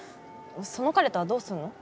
その彼とはどうすんの？